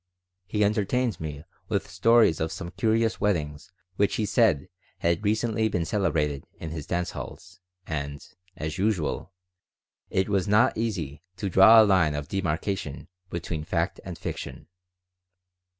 He entertained me with stories of some curious weddings which he said had recently been celebrated in his dance halls, and, as usual, it was not easy to draw a line of demarkation between fact and fiction.